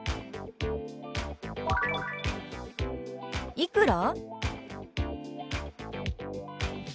「いくら？」。